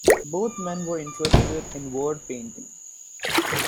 Both men were interested in word painting.